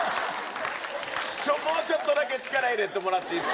そこをちょっとだけ力入れてもらっていいですかね